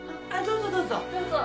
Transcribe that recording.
どうぞどうぞ。